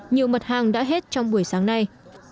nhiều mặt hàng đã hết trong buổi sáng nay